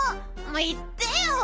いってよ。